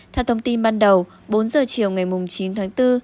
theo thông tin ban đầu bốn giờ chiều ngày chín tháng bốn